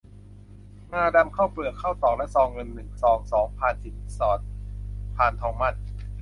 งาดำ ข้าวเปลือก ข้าวตอก และซองเงิน หนึ่ง ซอง สอง พานสินสอด พานทองหมั้น